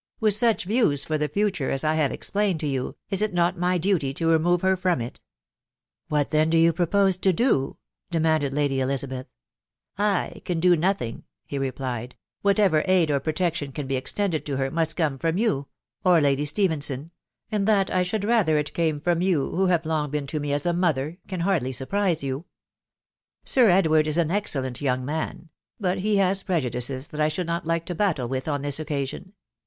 Ivlth nach views for *fhe 'future as I have explained to you, is it not my duty to remove her 'from it ?What then do you propose to do.?" demanded Lady Elizabeth. " I can do liothmg,* .... be replied .;.... <cc whatever aid or protection tan "be extended to "her must come from you .... or Lady Stephenson ;.... and that I should rather it came from you, who have long been to me as a mother, can "hardly surprise you. ffir Edward is an excellent young man, .... but he has ~preju65ces "£hat f should not Hfce to battle with on this occasion.